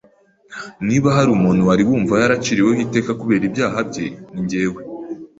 Niba hari umuntu wari wumvaga yaraciriweho iteka kubera ibyaha bye, ni jyewe.